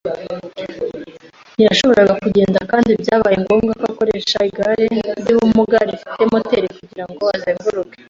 ntiyashoboye kugenda kandi byabaye ngombwa ko akoresha igare ry’ibimuga rifite moteri kugira ngo azenguruke